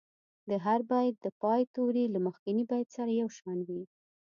د هر بیت د پای توري له مخکني بیت سره یو شان وي.